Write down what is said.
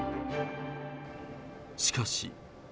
しかし。